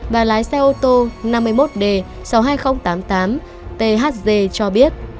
và lái xe ô tô năm mươi một d sáu mươi hai nghìn tám mươi tám thg cho biết